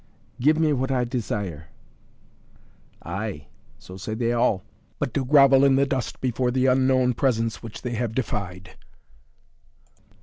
"Give me what I desire " "Ay so say they all but to grovel in the dust before the Unknown Presence which they have defied."